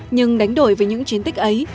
nhưng đánh đổi với những chiến tích ấy